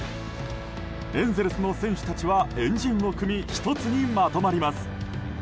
エンゼルスの選手たちは円陣を組み１つにまとまります。